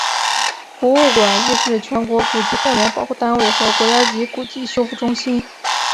博物馆亦是全国古籍重点保护单位和国家级古籍修复中心。